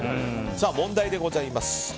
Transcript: さあ、問題でございます。